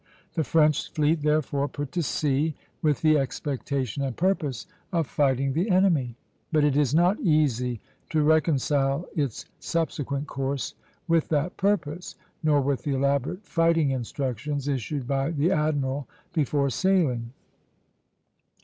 The French fleet therefore put to sea with the expectation and purpose of fighting the enemy; but it is not easy to reconcile its subsequent course with that purpose, nor with the elaborate fighting instructions issued by the admiral before sailing.